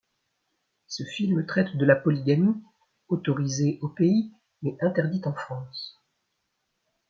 Ce film traite de la polygamie, autorisée au pays, mais interdite en France.